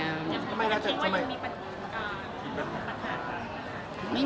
คุณคิดว่ายังมีปัจจุการณ์